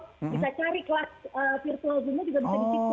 bisa cari kelas virtual zumba juga bisa di situ